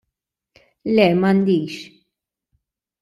Le, m'għandix.